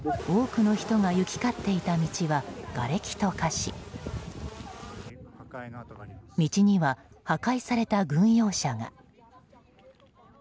多くの人が行き交っていた道はがれきと化し道には破壊された軍用車が。